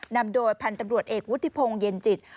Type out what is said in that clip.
นำโดยพันธุ์ตำรวจเอกวุฒิพงศ์เย็นจิต